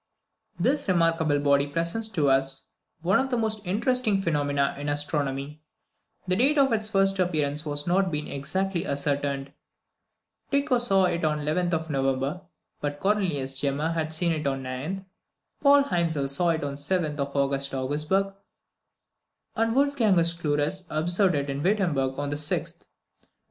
This remarkable body presents to us one of the most interesting phenomena in astronomy. The date of its first appearance has not been exactly ascertained. Tycho saw it on the 11th November, but Cornelius Gemma had seen it on the 9th, Paul Hainzel saw it on the 7th of August at Augsburg, and Wolfgangus Schulerus observed it at Wittenberg on the 6th.